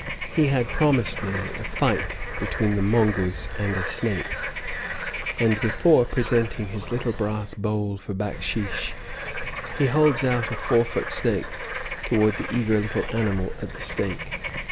He bad promised me a fight between the mongoose and a snake, and before presenting his little brass bowl for backsheesh he holds out a four foot snake toward the eager little animal at the stake.